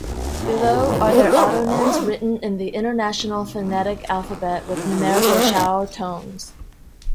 Below are their autonyms written in the International Phonetic Alphabet with numerical Chao tones.